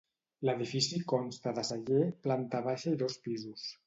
L'edifici consta de celler, planta baixa i dos pisos.